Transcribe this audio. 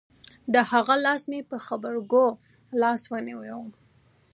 د هغه لاس مې په غبرگو لاسو ونيو.